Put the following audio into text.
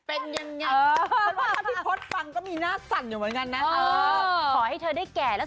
อุ้ยร้อนไปหมดแล้ว